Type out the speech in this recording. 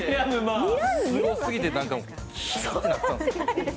すごすぎて、キッってなってんたんですよ。